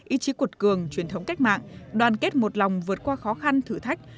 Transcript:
ý chí cuột cường truyền thống cách mạng đoàn kết một lòng vượt qua khó khăn thử thách